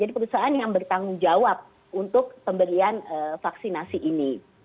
jadi perusahaan yang bertanggung jawab untuk pemberian vaksinasi ini